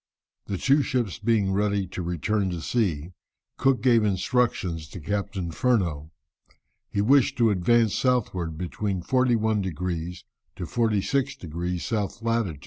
] The two ships being ready to return to sea, Cook gave instructions to Captain Furneaux. He wished to advance southward between 41 degrees to 46 degrees S. lat.